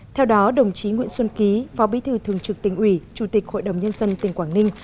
theo đó đồng chí nguyễn xuân ký phó bí thư thường trực tỉnh ủy chủ tịch hội đồng nhân dân tỉnh quảng ninh